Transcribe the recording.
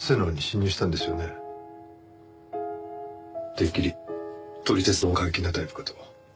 てっきり撮り鉄の過激なタイプかと。